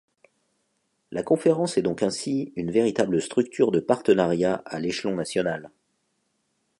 La Conférence est donc ainsi une véritable structure de partenariat à l'échelon national.